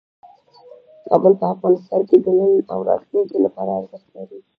کابل په افغانستان کې د نن او راتلونکي لپاره ارزښت لري.